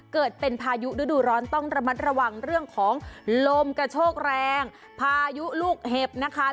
เกิดเป็นพายุฤดูร้อนต้องระมัดระวังเรื่องของลมกระโชกแรงพายุลูกเห็บนะคะ